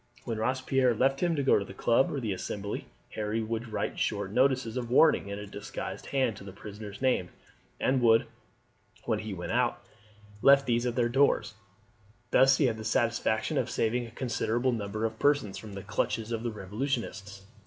When Robespierre left him to go to the Club or the Assembly Harry would write short notes of warning in a disguised hand to the persons named, and would, when he went out, leave these at their doors. Thus he had the satisfaction of saving a considerable number of persons from the clutches of the revolutionists.